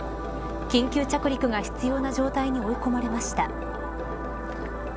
緊急着陸が必要な状態に追い込まれました。